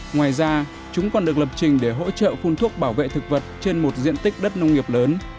ngoài ra chúng còn được lập trình để hỗ trợ phun thuốc bảo vệ thực vật trên một diện tích đất nông nghiệp lớn